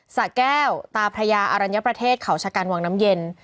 สะแก้วตาพระยาอรัญญประเทศเขาชะกันวังน้ำเย็น